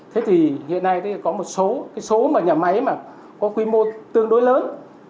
thế thì hiện nay có một số cái số mà nhà máy mà có quy mô tương đối lớn